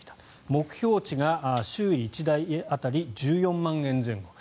目標値が修理１台当たり１４万円前後。